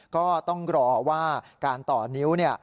ก็ต้องรอว่าการต่อนิ้ว